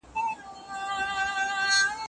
ته به له خپل لارښود استاد سره مشوره وکړې.